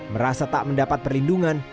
merasa tak mendapat perlindungan